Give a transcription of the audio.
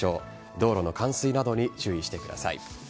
道路の冠水などに注意してください。